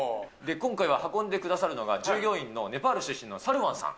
今回は運んでくださるのが、従業員のネパール出身のサルワンさん。